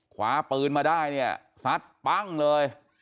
คว้าปืนมาได้เนี่ยซัดปั้งเลย